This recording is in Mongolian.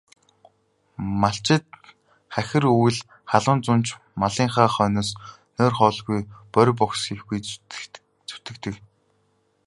Малчид хахир өвөл, халуун зун ч малынхаа хойноос нойр, хоолгүй борви бохисхийлгүй зүтгэдэг.